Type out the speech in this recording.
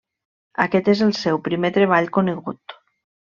Aquest és el seu primer treball conegut.